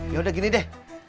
yaudah gini deh